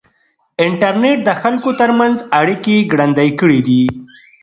انټرنېټ د خلکو ترمنځ اړیکې ګړندۍ کړې دي.